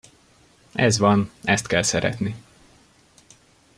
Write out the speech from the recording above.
Ez van, ezt kell szeretni.